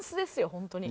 本当に。